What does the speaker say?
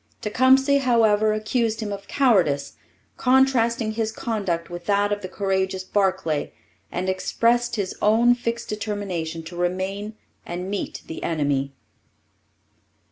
Tecumseh, however, accused him of cowardice, contrasting his conduct with that of the courageous Barclay, and expressed his own fixed determination to remain and meet the enemy.